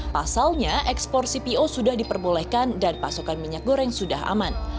pasalnya ekspor cpo sudah diperbolehkan dan pasokan minyak goreng sudah aman